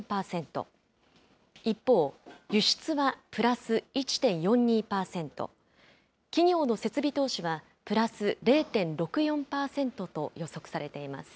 一方、輸出はプラス１．４２％、企業の設備投資はプラス０．６４％と予測されています。